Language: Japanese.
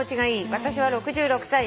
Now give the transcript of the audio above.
私は６６歳です」